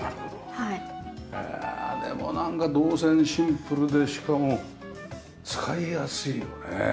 でもなんか動線シンプルでしかも使いやすいよね。